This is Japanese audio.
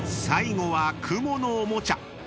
［最後はクモのおもちゃ］